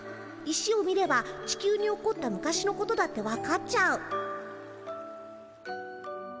石を見れば地球に起こった昔のことだってわかっちゃう。